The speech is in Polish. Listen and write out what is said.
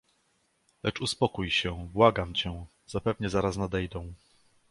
"Lecz uspokój się, błagam cię, zapewne zaraz nadejdą."